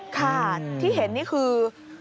ค่ะที่เห็นนี่คือ